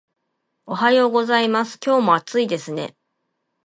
おはようございます。今日も暑いですね